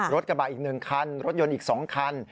รถกระบะอีก๑คันรถยนต์อีก๒คัน